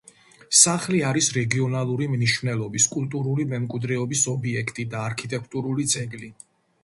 სახლი არის რეგიონალური მნიშვნელობის კულტურული მემკვიდრეობის ობიექტი და არქიტექტურული ძეგლი.